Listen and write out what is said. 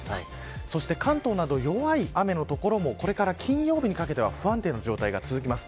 関東など弱い雨の所もこれから金曜日にかけては不安定な状態が続きます。